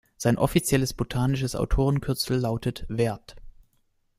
Sein offizielles botanisches Autorenkürzel lautet „Werth“.